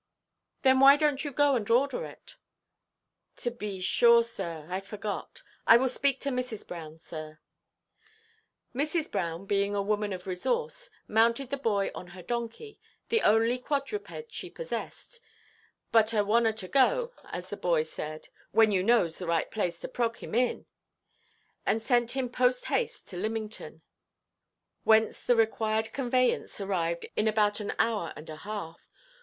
"Then why donʼt you go and order it?" "To be sure, sir; I forgot. I will speak to Mrs. Brown, sir." Mrs. Brown, being a woman of resource, mounted the boy on her donkey, the only quadruped she possessed, but a "wonner to go," as the boy said, "when you knows the right place to prog him in," and sent him post–haste to Lymington, whence the required conveyance arrived in about an hour and a half.